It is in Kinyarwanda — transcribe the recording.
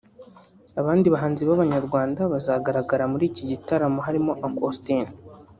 Abandi bahanzi b’abanyarwanda bazagaragara muri iki gitaramo harimo Uncle Austin